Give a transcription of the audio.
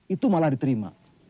itu malah diterima